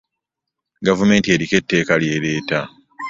Gavumenti eriko eteeka lyereeta.